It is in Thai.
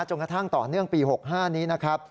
กระทั่งต่อเนื่องปี๖๕นี้นะครับ